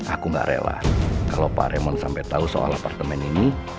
aku gak rela kalo pak remon sampai tau soal apartemen ini